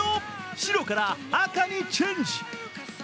白から赤にチェンジ。